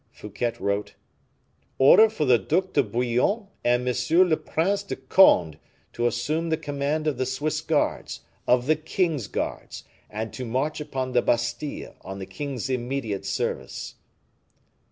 Fouquet wrote: "Order for the Duc de Bouillon and M. le Prince de Conde to assume the command of the Swiss guards, of the king's guards, and to march upon the Bastile on the king's immediate service."